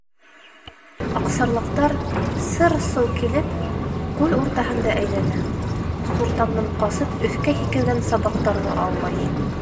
Аҡсарлаҡтар, сыр-сыу килеп, күл уртаһында әйләнә, суртандан ҡасып өҫкә һикергән сабаҡтарҙы аулай.